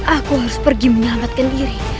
aku harus pergi menyelamatkan diri